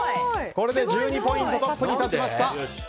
これで１２ポイントトップに立ちました。